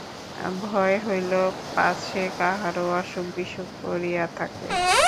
ভয় হইল পাছে কাহারো অসুখ-বিসুখ করিয়া থাকে।